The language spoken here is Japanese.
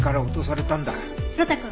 呂太くん